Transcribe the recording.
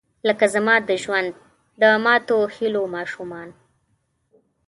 لکه زما د ژوند، د ماتوهیلو ماشومان